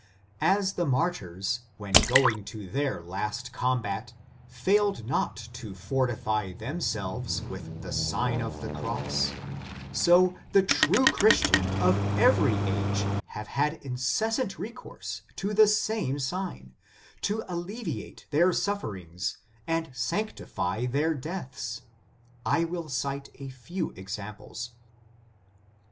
As the martyrs, when going to their last combat, failed not to fortify themselves with the Sign of the Cross, so the true Christians of every age have had incessant recourse to the same sign, to alleviate their sufferings and sanctify their deaths. I will cite a few examples.